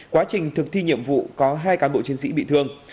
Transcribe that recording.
quá trình thực thi nhiệm vụ có hai cán bộ chiến sĩ bị thương